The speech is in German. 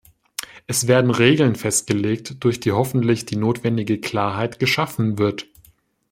Es werden Regeln festgelegt, durch die hoffentlich die notwendige Klarheit geschaffen wird.